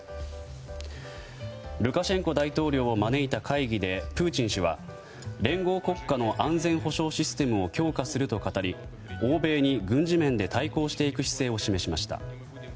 ルカシェンコ大統領を招いた会議でプーチン氏は連合国家の安全保障システムを強化すると語り、欧米に軍事面で対抗していく姿勢を示しました。